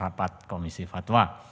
saat rapat komisi fatwa